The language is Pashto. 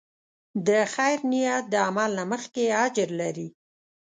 د خیر نیت د عمل نه مخکې اجر لري.